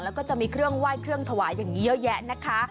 แล้วก็จะมีเครื่องไหว้เครื่องถวายอย่างนี้เยอะแยะนะคะ